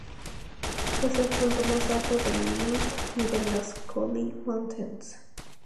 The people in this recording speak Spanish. Es el punto más alto del Louth y de las Cooley Mountains.